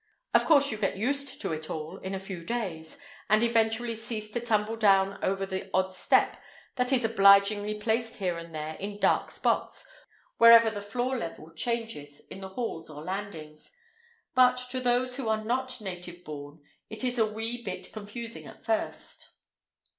Of course you get used to it all in a few days, and eventually cease to tumble down over the odd step that is obligingly placed here and there in dark spots, wherever the floor level changes in the halls or landings. But to those who are not native born it is a wee bit confusing at first.